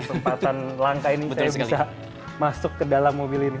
kesempatan langka ini saya bisa masuk ke dalam mobil ini